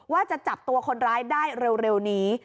ว่าจะจับตัวคนร้ายได้เร็วนี้